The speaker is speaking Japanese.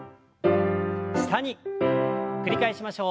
繰り返しましょう。